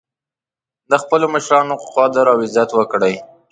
د خپلو مشرانو قدر او عزت وکړئ